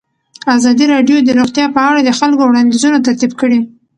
ازادي راډیو د روغتیا په اړه د خلکو وړاندیزونه ترتیب کړي.